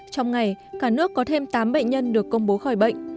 trong ngày cả nước có thêm tám bệnh nhân được công bố khỏi bệnh